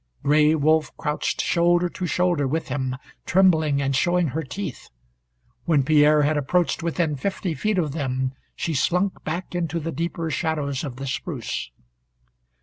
Gray Wolf crouched shoulder to shoulder with him, trembling and showing her teeth. When Pierre had approached within fifty feet of them she slunk back into the deeper shadows of the spruce.